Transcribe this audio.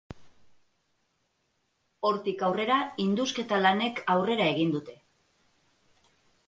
Hortik aurrera, indusketa lanek aurrera egin dute.